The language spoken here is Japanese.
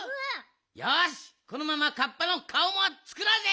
よしこのままカッパのかおもつくろうぜ！